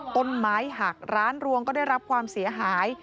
ต้นไม้หักร้านรวงก็ได้รับความเสียหาย